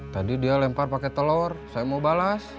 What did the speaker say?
tadi dia lempar pake telor saya mau balas